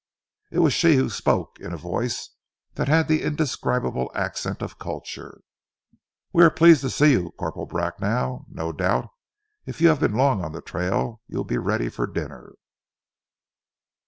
It was she who spoke in a voice that had the indescribable accent of culture. "We are pleased to see you, Corporal Bracknell. No doubt, if you have been long on the trail, you will be ready for dinner."